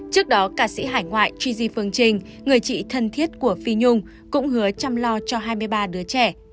trước đó ca sĩ hải ngoại chuy phương trinh người chị thân thiết của phi nhung cũng hứa chăm lo cho hai mươi ba đứa trẻ